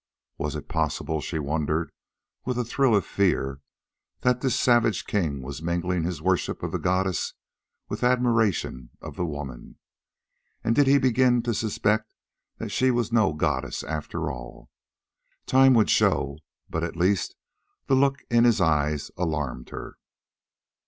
Was it possible, she wondered with a thrill of fear, that this savage king was mingling his worship of the goddess with admiration of the woman? And did he begin to suspect that she was no goddess after all? Time would show, but at least the look in his eyes alarmed her.